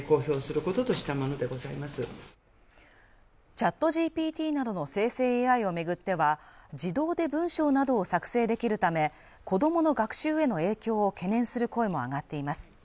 ＣｈａｔＧＰＴなどの生成ＡＩを巡っては、自動で文章などを作成できるため、子供の学習への影響を懸念する声も上がっています。